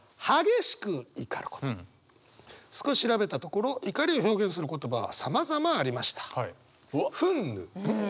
少し調べたところ怒りを表現する言葉はさまざまありました。